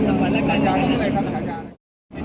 ตรงนี้ตรงนี้